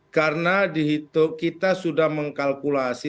karena kita sudah mengkalkulasi